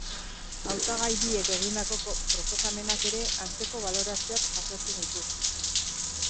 Hautagai biek egindako proposamenak ere antzeko balorazioak jasotzen ditu.